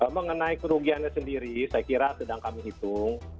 mengenai kerugiannya sendiri saya kira sedang kami hitung